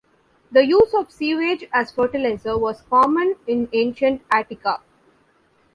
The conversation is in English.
The use of sewage as fertilizer was common in ancient Attica.